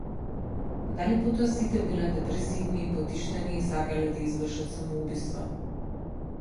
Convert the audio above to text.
Дали потоа сите биле депресивни и потиштени и сакале да извршат самоубиство?